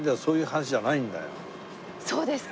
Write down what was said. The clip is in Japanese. そうですか。